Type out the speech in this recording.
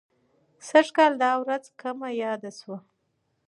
سږ کال دا ورځ کمه یاده شوه.